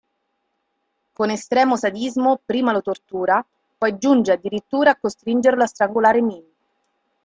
Con estremo sadismo prima lo tortura, poi giunge addirittura a costringerlo a strangolare Min.